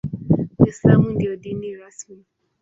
Uislamu ndio dini rasmi.